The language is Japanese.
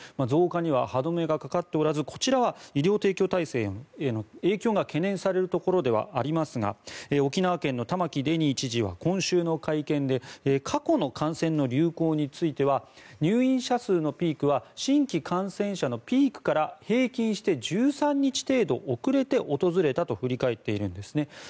増加には歯止めがかかっておらずこちらは医療提供体制への影響が懸念されるところではありますが沖縄県の玉城デニー知事は今週の会見で過去の感染の流行については入院者数のピークは新規感染者のピークから平均して１３日程度遅れて訪れたと振り返っているんですね。